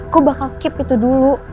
gue bakal keep itu dulu